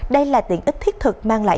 đây là tiện ích thiết thực mang lại